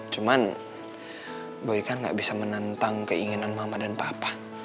cuman boykan gak bisa menentang keinginan mama dan papa